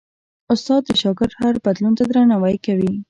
استاد د شاګرد هر بدلون ته درناوی کوي.